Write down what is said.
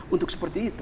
untuk seperti itu